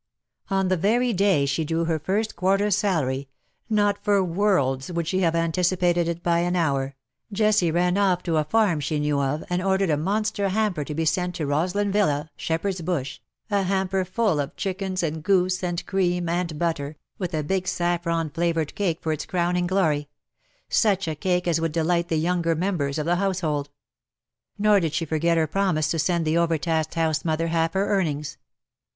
1G8 IX SOCIETi^. On the very clay she drew her first quarter's salary — not for worlds would she have anticipated it by an hour — Jessie ran off to a farm she knew of, and ordered a monster hamper to be sent to Rosslyn Villa, Shepherd's Bush — a hamper full of chickens, and goose, and cream, and butter, with a big saffron flavoured cake for its crowning glory — such a cake as would delight the younger members of the household ! Nor did she forget her promise to send the over tasked house mother half her earnings.